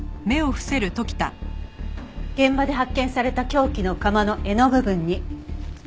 現場で発見された凶器の鎌の柄の部分に。